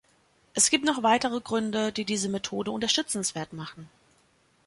Es gibt noch weitere Gründe, die diese Methode unterstützenswert machen.